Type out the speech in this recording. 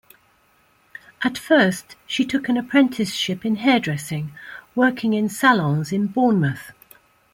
At first she took an Apprenticeship in Hairdressing, working in salons in Bournemouth.